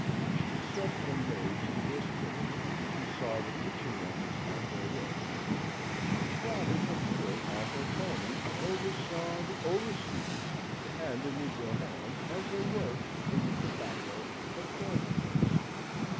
She set the maids to their spinning, she saw the kitchen wenches at their work, she trotted afield on her pony, and oversaw the overseers and the negro hands as they worked in the tobacco and corn fields.